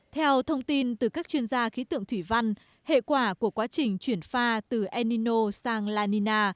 theo thông tin từ các chuyên gia khí tượng thủy văn hệ quả của quá trình chuyển pha từ enino sang la nina